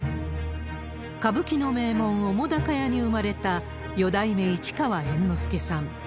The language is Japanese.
歌舞伎の名門、澤瀉屋に生まれた、四代目市川猿之助さん。